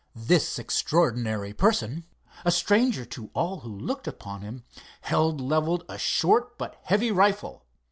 This extraordinary person, a stranger to all who looked upon him, held leveled a short but heavy rifle.